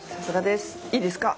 いいですか？